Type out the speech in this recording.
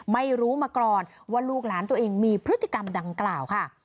ไม่รู้มาก่อนว่าลูกหลานตัวเองมีพฤติกรรมดังกล่าวค่ะ